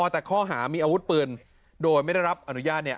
แต่ข้อหามีอาวุธปืนโดยไม่ได้รับอนุญาต